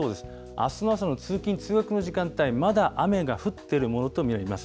あすの朝の通勤・通学の時間帯、まだ雨が降ってるものとみられます。